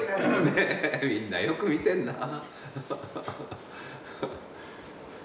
ねえみんなよく見てんなぁ。